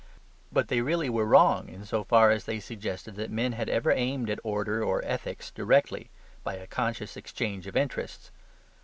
But they really were wrong, in so far as they suggested that men had ever aimed at order or ethics directly by a conscious exchange of interests.